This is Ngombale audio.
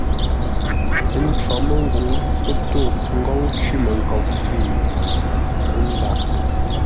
Ə́ ncwôr məngwûŋ; pə́ tô ńgôu cwímənkoʼ tʉ̌. Ə́ ndǎghʼ.